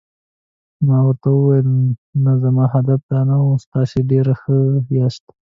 ما ورته وویل: نه، زما هدف دا نه و، تاسي ډېر ښه یاست.